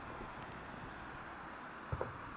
সুচরিতাও হিঁদু হয়ে উঠল!